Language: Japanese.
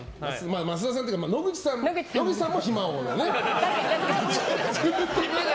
益田さんというか野口さんも暇王だね。